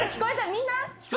みんな。